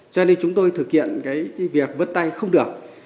cho nên chúng tôi thực hiện cái việc vân tay không được